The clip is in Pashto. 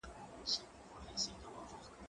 کېدای سي واښه ګډه وي